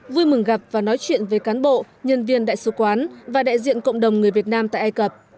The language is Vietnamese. vui mừng gặp và nói chuyện với cán bộ nhân viên đại sứ quán và đại diện cộng đồng người việt nam tại ai cập